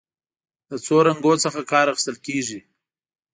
له څو رنګونو څخه کار اخیستل کیږي.